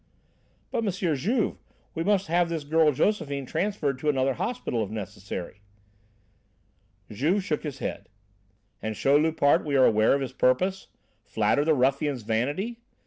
"But M. Juve, we must have this girl Josephine transferred to another hospital if necessary." Juve shook his head. "And show Loupart we are aware of his purpose? Flatter the ruffian's vanity?